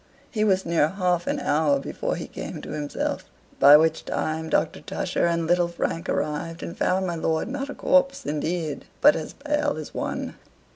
He was near half an hour before he came to himself, by which time Doctor Tusher and little Frank arrived, and found my lord not a corpse indeed, but as pale as one.